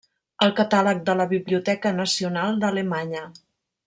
Al catàleg de la Biblioteca Nacional d'Alemanya.